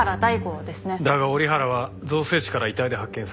だが折原は造成地から遺体で発見されてる。